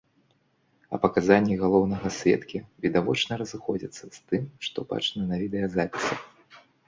А паказанні галоўнага сведкі відавочна разыходзяцца з тым, што бачна на відэазапісах.